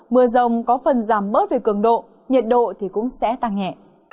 mưa rông có phần giảm bớt về cường độ nhiệt độ thì cũng sẽ tăng nhẹ